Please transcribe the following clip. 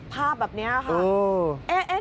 ภาพแบบนี้ก่อน